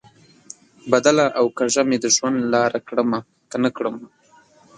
بدله او کږه مې د ژوند لار کړمه، که نه کړم؟